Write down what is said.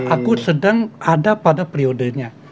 aku sedang ada pada periodenya